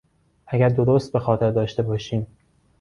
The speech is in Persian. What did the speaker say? اگر درست به خاطر داشته باشیم...